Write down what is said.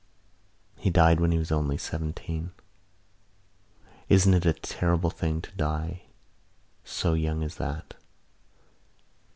"He died when he was only seventeen. Isn't it a terrible thing to die so young as that?"